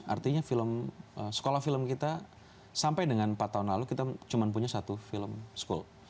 artinya film sekolah film kita sampai dengan empat tahun lalu kita cuma punya satu film school